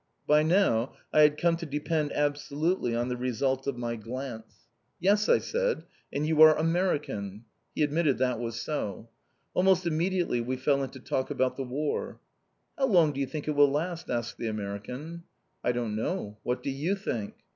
By now, I had come to depend absolutely on the result of my glance. "Yes!" I said, "and you are American." He admitted that was so. Almost immediately we fell into talk about the War. "How long do you think it will last?" asked the American. "I don't know, what do you think?"